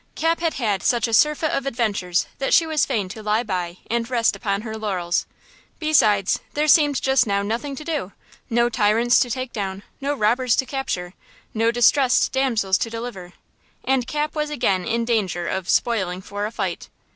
Cap had had such a surfeit of adventures that she was fain to lie by and rest upon her laurels. Besides, there seemed just now nothing to do–no tyrants to take down, no robbers to capture, no distressed damsels to deliver, and Cap was again in danger of "spoiling for a fight."